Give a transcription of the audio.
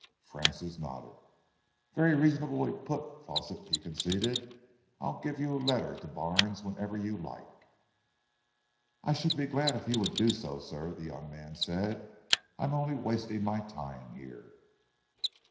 Francis nodded. "Very reasonably put, Fawsitt," he conceded. "I'll give you a letter to Barnes whenever you like." "I should be glad if you would do so, sir," the young man said. "I'm only wasting my time here...."